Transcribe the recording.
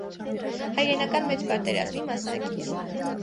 Հայրենական մեծ պատերազմի մասնակից։